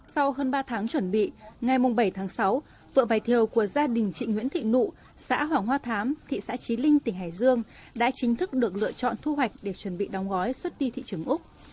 sau hơn ba tháng chuẩn bị ngày bảy tháng sáu vựa vải thiều của gia đình chị nguyễn thị nụ xã hoàng hoa thám thị xã trí linh tỉnh hải dương đã chính thức được lựa chọn thu hoạch để chuẩn bị đóng gói xuất đi thị trường úc